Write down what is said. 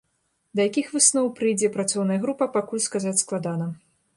Да якіх высноў прыйдзе працоўная група, пакуль сказаць складана.